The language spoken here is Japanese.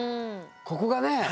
ここがね